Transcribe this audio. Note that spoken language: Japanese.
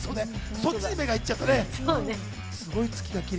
そっちに目がいっちゃったね。